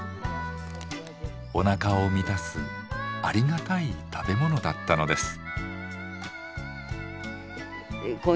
おなかを満たすありがたい食べ物だったのです。